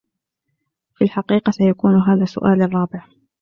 في الحقيقة ، سيكون هذا سؤالي الرابع.